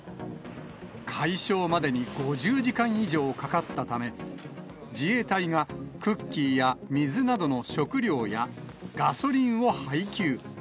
解消までに５０時間以上かかったため、自衛隊がクッキーや水などの食料や、ガソリンを配給。